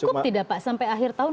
cukup tidak pak sampai akhir tahun